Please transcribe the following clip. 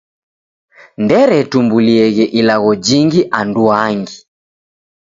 Nderetumbulieghe ilagho jingi anduangi.